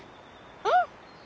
うん！